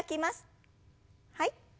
はい。